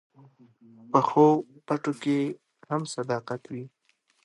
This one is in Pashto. پخو پټو کې هم صداقت وي